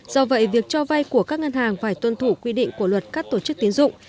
do vậy việc cho vay của các ngân hàng phải tuân thủ quy định của luật các tổ chức tiến dụng